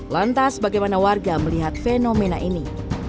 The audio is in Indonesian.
lantas bagaimana warga melihat fenomena ini